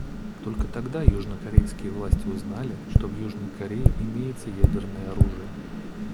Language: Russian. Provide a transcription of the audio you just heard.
Только тогда южнокорейские власти узнали, что в Южной Корее имеется ядерное оружие.